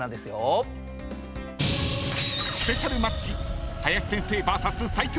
［スペシャルマッチ］